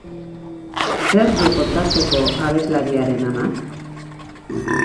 Zer du kontatzeko abeslariaren amak?